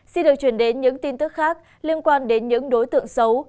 xin được chuyển đến những tin tức khác liên quan đến những đối tượng xấu